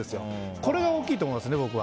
これが大きいと思いますね、僕は。